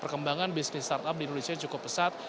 perkembangan bisnis startup di indonesia cukup pesat